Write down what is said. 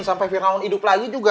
sampai firnaun hidup lagi juga